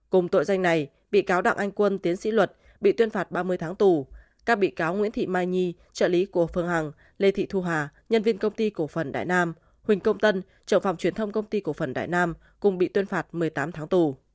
cùng tội danh này bị cáo đặng anh quân tiến sĩ luật bị tuyên phạt ba mươi tháng tù các bị cáo nguyễn thị mai nhi trợ lý của phương hằng lê thị thu hà nhân viên công ty cổ phần đại nam huỳnh công tân trưởng phòng truyền thông công ty cổ phần đại nam cùng bị tuyên phạt một mươi tám tháng tù